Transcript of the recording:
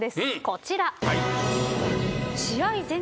こちら。